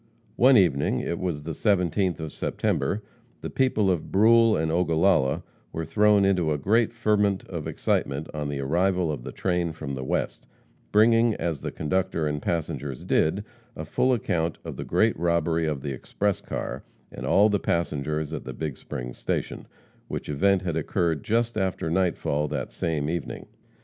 One evening it was the 17th of September the people of Brule and Ogallala were thrown into a great ferment of excitement on the arrival of the train from the West, bringing, as the conductor and passengers did, a full account of the great robbery of the express car, and all the passengers, at Big Springs station, which event had occurred just after nightfall that same evening.